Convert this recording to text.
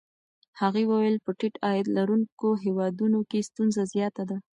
هغې وویل په ټیټ عاید لرونکو هېوادونو کې ستونزه زیاته ده.